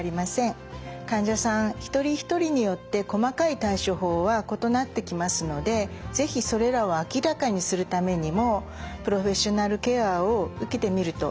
患者さん一人一人によって細かい対処法は異なってきますので是非それらを明らかにするためにもプロフェッショナルケアを受けてみるといいと思います。